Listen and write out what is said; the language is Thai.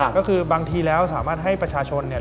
ก็คือบางทีแล้วสามารถให้ประชาชนเนี่ย